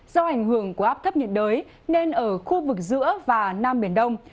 do ảnh hưởng của áp thấp nhiệt đới nên ở khu vực giữa và nam biển đông